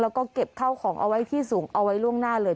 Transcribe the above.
แล้วก็เก็บเข้าของเอาไว้ที่สูงเอาไว้ล่วงหน้าเลย